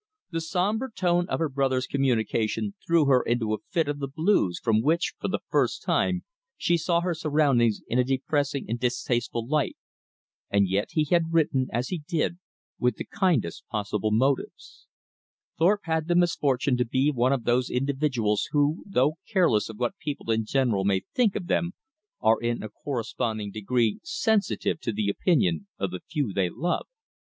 The somber tone of her brother's communication threw her into a fit of the blues from which, for the first time, she saw her surroundings in a depressing and distasteful light. And yet he had written as he did with the kindest possible motives. Thorpe had the misfortune to be one of those individuals who, though careless of what people in general may think of them, are in a corresponding degree sensitive to the opinion of the few they love.